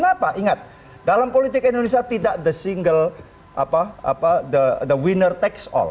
kenapa ingat dalam politik indonesia tidak the single the winner tax all